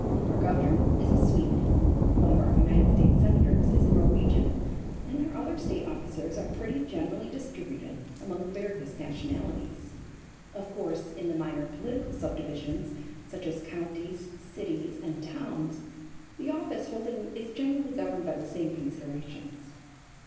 Our governor is a Swede, one of our United States senators is a Norwegian, and our other state officers are pretty generally distributed among the various nationalities. Of course, in the minor political subdivisions, such as counties, cities and towns, the office holding is generally governed by the same considerations.